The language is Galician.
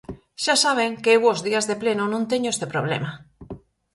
Xa saben que eu os días de pleno non teño este problema.